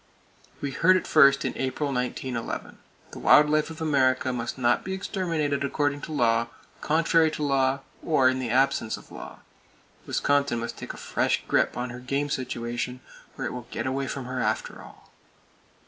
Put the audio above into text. We heard it first in April, 1911. The wild life of America must not be exterminated according [Page 302] to law, contrary to law, or in the absence of law! Wisconsin must take a fresh grip on her game situation, or it will get away from her, after all.